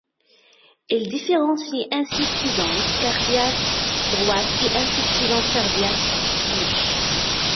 Il différencie insuffisance cardiaque droite et insuffisance cardiaque gauche.